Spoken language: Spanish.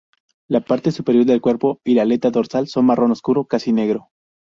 La parte superior del cuerpo y la aleta dorsal son marrón oscuro, casi negro.